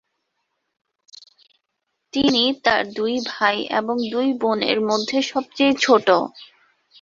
তিনি তার দুই ভাই এবং দুই বোনের মধ্যে সবচেয়ে ছোট।